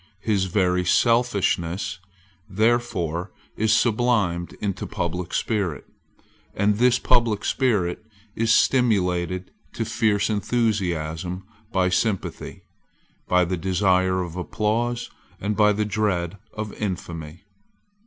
His very selfishness therefore is sublimed into public spirit: and this public spirit is stimulated to fierce enthusiasm by sympathy, by the desire of applause, and by the dread of infamy.